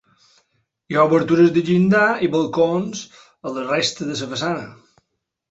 Hi ha obertures de llinda i balcons a la resta de la façana.